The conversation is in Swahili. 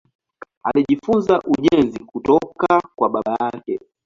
Alijifunza ujenzi kutoka kwa baba yake.